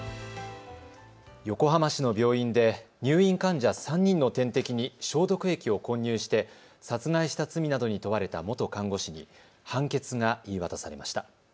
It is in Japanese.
横浜市の病院で入院患者３人の点滴に消毒液を混入して殺害した罪などに問われた元看護師に判決が言い渡されました。